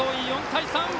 ４対３！